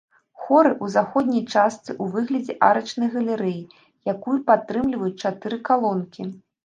Хоры ў заходняй частцы ў выглядзе арачнай галерэі, якую падтрымліваюць чатыры калонкі.